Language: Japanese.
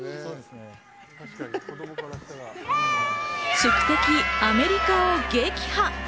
宿敵・アメリカを撃破。